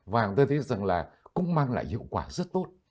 và chúng tôi thấy rằng là cũng mang lại hiệu quả rất tốt